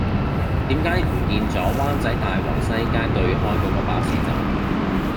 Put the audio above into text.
點解唔見左灣仔大王西街對開嗰個巴士站